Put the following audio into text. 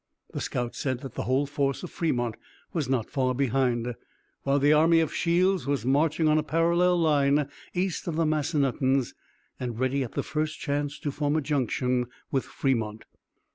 The scouts said that the whole force of Fremont was not far behind, while the army of Shields was marching on a parallel line east of the Massanuttons, and ready at the first chance to form a junction with Fremont.